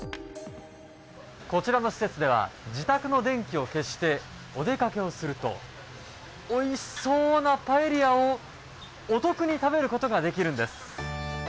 こちらの施設では自宅の電気を消してお出かけをするとおいしそうなパエリアを、お得に食べることができるんです。